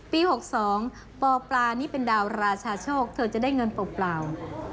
๖๒ปปลานี่เป็นดาวราชาโชคเธอจะได้เงินเปล่า